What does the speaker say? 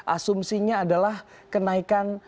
asumsinya adalah kenaikan